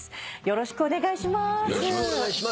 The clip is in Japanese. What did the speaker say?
よろしくお願いします。